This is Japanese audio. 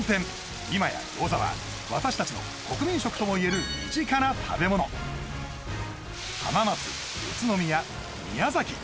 今や餃子は私達の国民食ともいえる身近な食べ物浜松宇都宮宮崎